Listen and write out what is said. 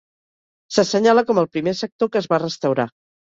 S'assenyala com el primer sector que es va restaurar.